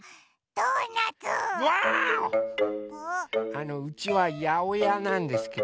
あのうちはやおやなんですけど。